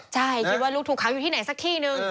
ใช่คิดว่าลูกถูกค้างอยู่ที่ไหนสักที่นึง